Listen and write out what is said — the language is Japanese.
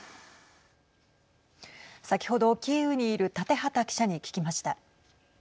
先ほどキーウにいる建畠記者に聞きました。